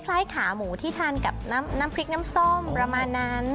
คล้ายขาหมูที่ทานกับน้ำพริกน้ำส้มประมาณนั้น